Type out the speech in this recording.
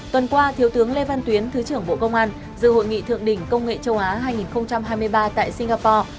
tuần qua thiếu tướng lê văn tuyến thứ trưởng bộ công an dự hội nghị thượng đỉnh công nghệ châu á hai nghìn hai mươi ba tại singapore